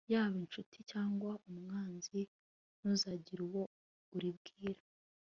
yaba incuti cyangwa umwanzi, ntuzagire uwo uribwira